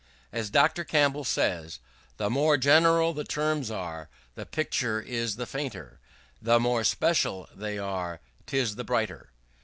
As Dr. Campbell says, "The more general the terms are, the picture is the fainter; the more special they are, 'tis the brighter."